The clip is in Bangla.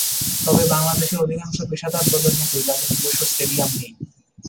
তবে বাংলাদেশের অধিকাংশ পেশাদার দলের মতই তাদের নিজস্ব স্টেডিয়াম নেই।